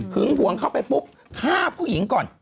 ห่วงเข้าไปปุ๊บฆ่าผู้หญิงก่อน